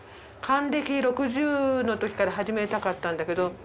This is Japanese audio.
還暦６０のときから始めたかったんだけど。